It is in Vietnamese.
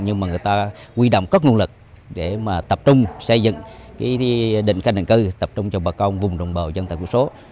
nhưng mà người ta quy động các nguồn lực để mà tập trung xây dựng cái định canh định cư tập trung cho bà con vùng đồng bào dân tộc thiểu số